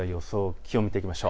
気温を見ていきましょう。